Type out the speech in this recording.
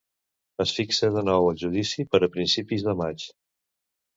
Es fixa de nou el judici per a principis de maig.